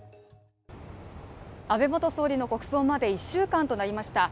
安倍元総理の国葬まで１週間となりました。